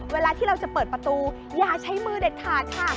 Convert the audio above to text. เวลาที่เราจะเปิดประตูอย่าใช้มือเด็ดขาดค่ะ